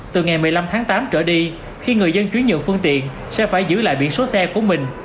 từ ngày một mươi năm tháng tám trở đi khi người dân chuyển nhượng phương tiện sẽ phải giữ lại biển số xe của mình